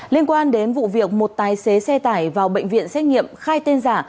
liên quan đến vụ việc một tài xế xe tải vào bệnh viện xét nghiệm khai tên giả